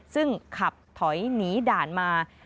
ซึ่งขับถอยหนีด่านมา